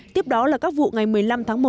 tiếp đó là các vụ ngày một mươi năm tháng một